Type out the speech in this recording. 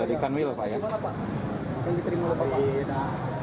yang diterima oleh pak